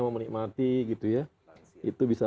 mau menikmati gitu ya itu bisa